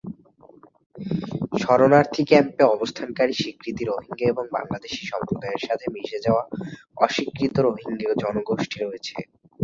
শরণার্থী ক্যাম্পে অবস্থানকারী স্বীকৃত রোহিঙ্গা এবং বাংলাদেশী সম্প্রদায়ের সাথে মিশে যাওয়া অস্বীকৃত রোহিঙ্গা জনগোষ্ঠী রয়েছে।